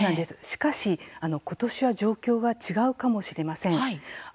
しかし、今年は状況が違うかもしれません。